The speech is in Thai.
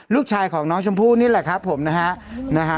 ลูกชายของน้องชมพู่นี่แหละครับผมนะฮะ